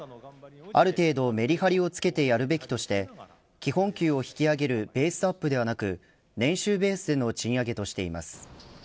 ある程度メリハリをつけてやるべきとして基本給を引き上げるベースアップではなく年収ベースでの賃上げとしています。